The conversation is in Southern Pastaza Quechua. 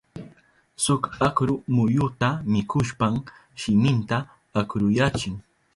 Shuk akru muyuta mikushpan shiminta akruyachin.